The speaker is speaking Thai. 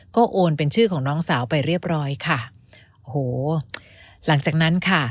ก็โอนเป็นชื่อของน้องสาวไปเรียบร้อยค่ะโหหลังจากนั้นค่ะ